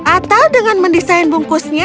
atau dengan mendesain bungkusnya